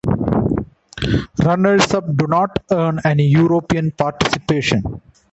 Runners-up do not earn any European participation.